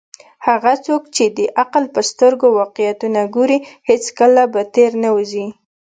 هغه څوک چې د عقل په سترګو واقعیتونه ګوري، هیڅکله به تیر نه وزي.